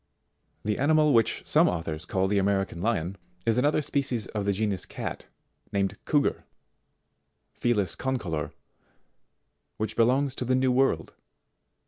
] 73. The animal which some authors call the American Lion, is another species of the genus cat, named Couguar, Felis Concolor, which belongs to the new world.